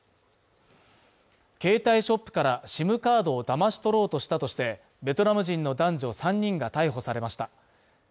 携帯ショップからＳＩＭカードをだまし取ろうとしたとして、ベトナム人の男女３人が逮捕されました。